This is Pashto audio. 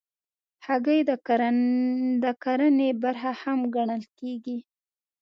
هګۍ د کرنې برخه هم ګڼل کېږي.